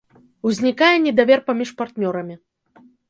Узнікае недавер паміж партнёрамі.